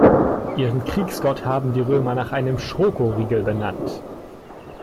Ihren Kriegsgott haben die Römer nach einem Schokoriegel benannt.